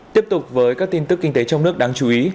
tiếp tục với các tin tức kinh tế trong nước đáng chú ý